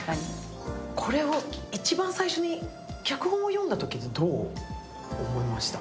これを一番最初に脚本を読んだときどう思いました？